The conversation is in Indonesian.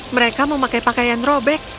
mereka memakai pakaian robek